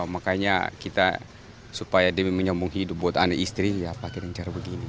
makanya kita supaya demi menyambung hidup buat anak istri ya pakai rencana begini